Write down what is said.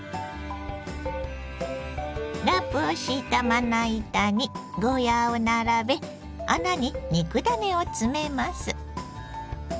ラップを敷いたまな板にゴーヤーを並べ穴に肉ダネを詰めます。